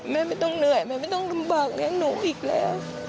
ไม่ต้องเหนื่อยแม่ไม่ต้องลำบากเลี้ยงหนูอีกแล้ว